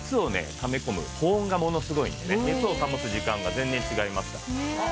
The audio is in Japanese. ため込む保温がものすごいんでね熱を保つ時間が全然違いますから。